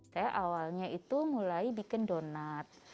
saya awalnya itu mulai bikin donat